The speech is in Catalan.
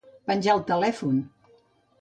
Penjar el telèfon.